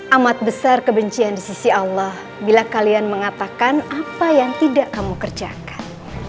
amat besar kebencian di sisi allah bila kalian mengatakan apa yang tidak kamu kerjakan